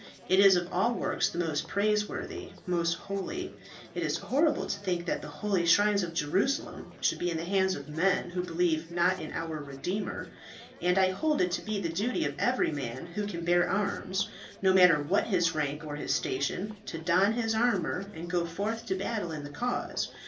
It is of all works the most praiseworthy, most holy. It is horrible to think that the holy shrines of Jerusalem should be in the hands of men who believe not in our Redeemer; and I hold it to be the duty of every man who can bear arms, no matter what his rank or his station, to don his armour and to go forth to battle in the cause.